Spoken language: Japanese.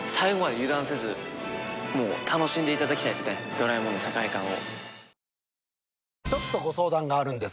『ドラえもん』の世界観を。